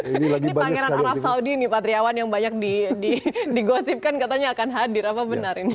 ini pangeran arab saudi nih patriawan yang banyak digosipkan katanya akan hadir apa benar ini